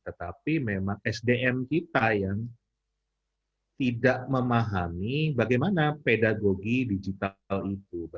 tetapi memang sdm kita yang tidak memahami bagaimana pedagogi digital itu